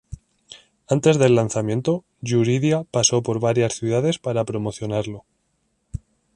Antes del lanzamiento, Yuridia paso por varias ciudades para promocionarlo.